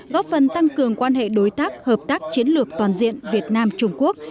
góp phần tăng cường quan hệ đối tác hợp tác chiến lược toàn diện việt nam trung quốc